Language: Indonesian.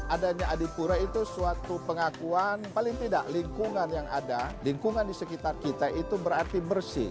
adanya adipura itu suatu pengakuan paling tidak lingkungan yang ada lingkungan di sekitar kita itu berarti bersih